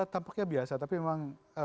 tampaknya biasa tapi memang